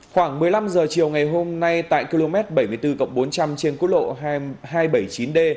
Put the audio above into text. khoảng một mươi năm h chiều ngày hôm nay tại km bảy mươi bốn bốn trăm linh trên quốc lộ hai trăm bảy mươi chín d